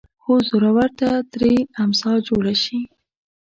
هو زورور ته ترې امسا جوړه شي